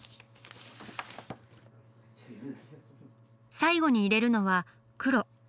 最後に入れるのは黒。